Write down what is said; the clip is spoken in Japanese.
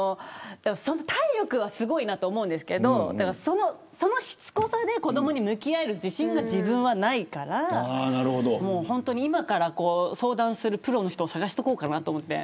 体力はすごいなと思うんですけれどそのしつこさで子どもに向き合える自信が自分はないから今から相談するプロの人を探しておこうかなと思って。